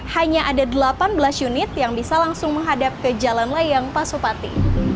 hanya ada delapan belas unit yang bisa langsung menghadap ke jalan layang pasopati